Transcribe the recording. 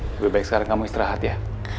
lebih baik sekarang kamu istirahat ya